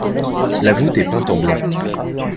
La voûte est peinte en blanc.